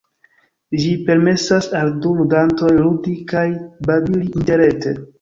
Ĝi permesas al du ludantoj ludi kaj babili interrete.